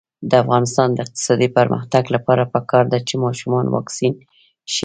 د افغانستان د اقتصادي پرمختګ لپاره پکار ده چې ماشومان واکسین شي.